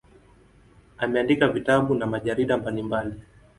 Ameandika vitabu na majarida mbalimbali.